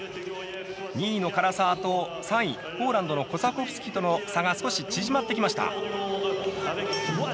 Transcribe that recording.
２位の唐澤と３位、ポーランドのコサコフスキとの差が少し縮まってきました。